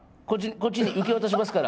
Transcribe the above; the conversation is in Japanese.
こっちに受け渡しますから。